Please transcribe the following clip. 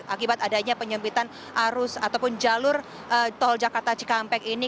akibat adanya penyempitan arus ataupun jalur tol jakarta cikampek ini